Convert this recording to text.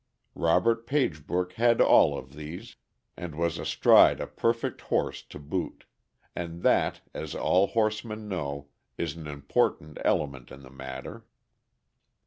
Robert Pagebrook had all of these, and was astride a perfect horse to boot; and that, as all horsemen know, is an important element in the matter.